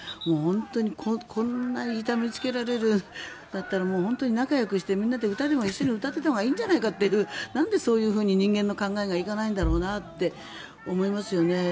本当にこんな痛めつけられるんだったら本当に仲よくしてみんなで歌でも一緒に歌っていたほうがいいんじゃないかというなんでそういうふうに人間の考えがいかないんだろうなって思いますよね。